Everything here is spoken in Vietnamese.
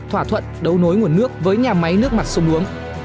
thỏa thuận đấu nối nguồn nước với nhà máy nước mặt sông đuống